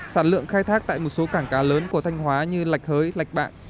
sản lượng khai thác tại một số cảng cá lớn của thanh hóa như lạch hới lạch bạn